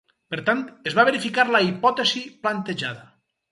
Per tant, es va verificar la hipòtesi plantejada.